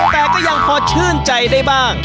แต่ก็ยังพอชื่นใจได้บ้าง